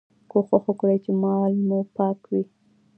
کوښښ وکړئ چي مال مو پاک وي.